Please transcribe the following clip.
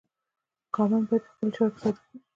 کارمند باید په خپلو چارو کې صادق وي.